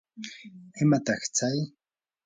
¿imataq tsay?